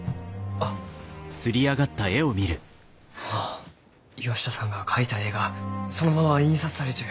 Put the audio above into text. ああ岩下さんが描いた絵がそのまま印刷されちゅう。